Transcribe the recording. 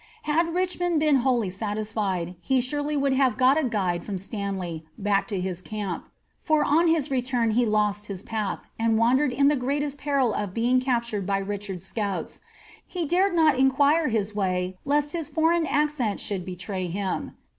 Had Richmond been wholly satisfied, he surely would have got a guide from Stanley back to his camp, for on his return he lost his path, and wandered in the greatest peril of being captured by Richard's scouts ; he dared not inquire his way lest his foreign accent should betray him.